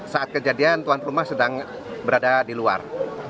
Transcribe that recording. saat kejadian tuan rumah sedang berada di luar